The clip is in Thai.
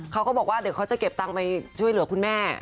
เขาก็บอกว่าเดี๋ยวเขาจะเก็บตังค์ไปช่วยเหลือคุณแม่